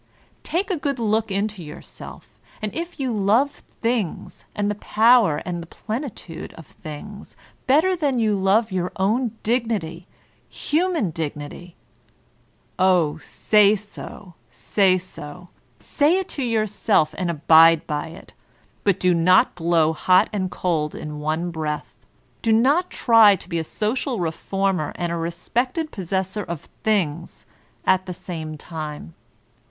Take a good look into your self, and if you love Things md the power and the pleib g^ VOLTAIHINE BE ClEYRB itude of Things better than yon love your own dignity, human dignity, Oh, say so, say so I Say it to yourself, and abide by it. But do not blow hot and cold in one breath. Do not try to be a social reformer and a respected possessor of Things at the same time.